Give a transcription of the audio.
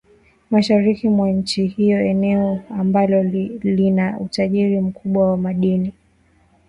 mashariki mwa nchi hiyo eneo ambalo lina utajiri mkubwa wa madini